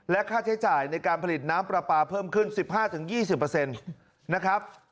ค่าใช้จ่ายในการผลิตน้ำปลาปลาเพิ่มขึ้น๑๕๒๐นะครับ